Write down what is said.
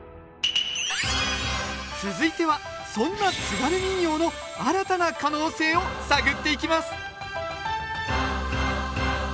続いてはそんな津軽民謡の新たな可能性を探っていきます